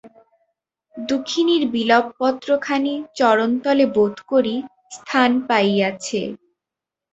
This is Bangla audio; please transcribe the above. দুখিনীর বিলবপত্রখানি চরণতলে বোধ করি স্থান পাইয়াছে!